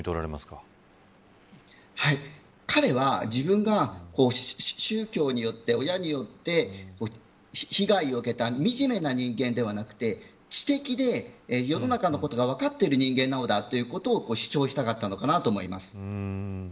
彼は自分が宗教によって、親によって被害を受けた惨めな人間ではなくて知的で、世の中のことが分かっている人間なのだということを主張したかったのかな